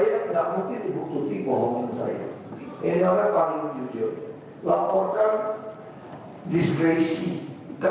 yang masih menjadi berkembang dan dikumpul kumpul di pariwisata